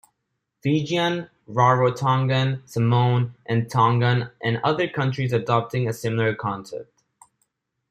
Fijian, Rarotongan, Samoan, and Tongan and other countries adopting a similar concept.